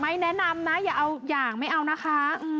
แนะนำนะอย่าเอาอย่างไม่เอานะคะ